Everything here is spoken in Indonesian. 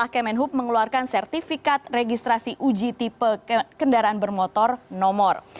kemenhub mengeluarkan sertifikat registrasi uji tipe kendaraan bermotor nomor